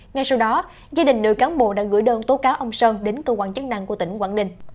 ngay sau đó gia đình nữ cán bộ đã gửi đơn tố cáo ông sơn đến cơ quan chức năng của tỉnh quảng ninh